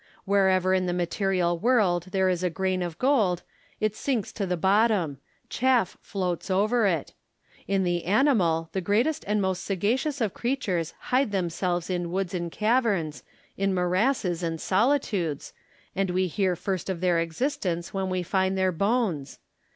Wherever in the material world there is a grain of gold, it sinks to the bottom ; chaff floats over it : in the animal, the greatest and most sagacious of creatures hide themselves in woods and caverns, in morasses and solitudes, and we hear first of their existence when we find their bones.